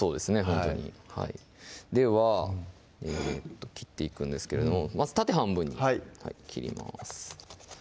ほんとにでは切っていくんですけれどもまず縦半分に切ります